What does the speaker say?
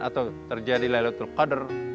atau terjadi laylatul qadr